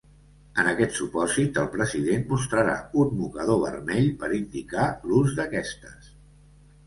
En aquest supòsit, el president mostrarà un mocador vermell per indicar l'ús d'aquestes.